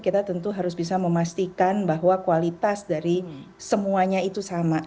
kita tentu harus bisa memastikan bahwa kualitas dari semuanya itu sama